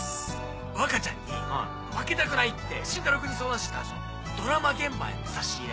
若ちゃんに負けたくないって慎太郎君に相談してたドラマ現場への差し入れ。